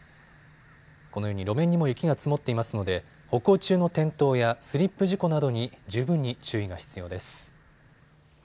このように路面にも雪が積もっていますので歩行中の転倒やスリップ事故などに十分に注意が必要です。